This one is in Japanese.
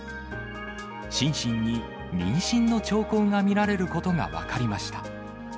シンシンに妊娠の兆候が見られることが分かりました。